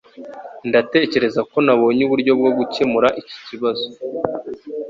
Ndatekereza ko nabonye uburyo bwo gukemura iki kibazo.